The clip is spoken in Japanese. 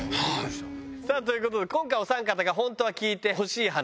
さあ、ということで、今回お三方が本当は聞いてほしい話。